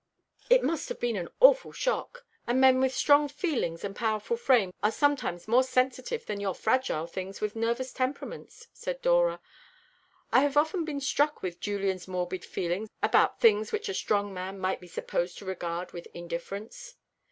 "It must have been an awful shock. And men with strong features and powerful frames are sometimes more sensitive than your fragile beings with nervous temperaments," said Dora. "I have often been struck with Julian's morbid feeling about things which a strong man might be supposed to regard with indifference."